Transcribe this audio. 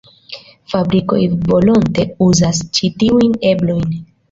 Fabrikoj volonte uzas ĉi tiujn eblojn.